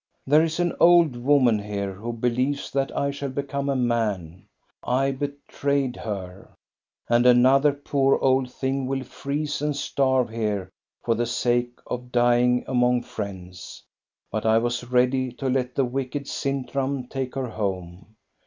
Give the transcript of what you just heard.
There is an old woman here who believes that I shall become a man. I betrayed her. And another poor old thing will freeze and starve here for the sake of dying among friends, but I was ready to let the wicked Sintram GOSTA BERUNGy POET 77 take her home.